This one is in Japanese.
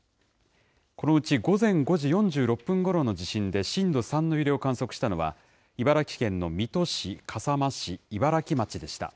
このうち午前５時４６分ごろの地震で、震度３の揺れを観測したのは、茨城県の水戸市、笠間市、茨城町でした。